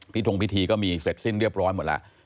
ทงพิธีก็มีเสร็จสิ้นเรียบร้อยหมดแล้ว